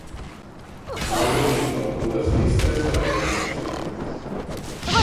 L'àlbum inclou dues llistes de temes possibles.